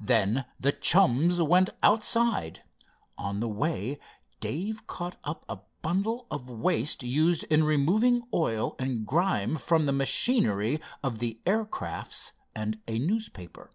Then the chums went outside. On the way Dave caught up a bundle of waste used in removing oil and grime from the machinery of the air crafts, and a newspaper.